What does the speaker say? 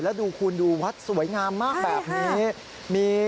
แล้วดูคุณดูวัดสวยงามมากแบบนี้